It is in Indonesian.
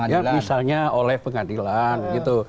ya misalnya oleh pengadilan gitu